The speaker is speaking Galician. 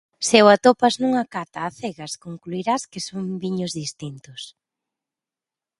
Se o atopas nunha cata a cegas concluirás que son viños distintos.